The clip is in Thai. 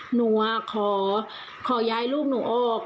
หนูขอย้ายลูกหนูออก